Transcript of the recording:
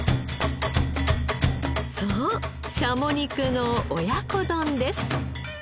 そう軍鶏肉の親子丼です。